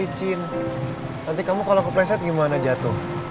aku takut kalo misalkan makan mian nindy tuh tergenang lagi mas